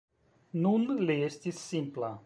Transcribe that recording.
Nun li estis simpla.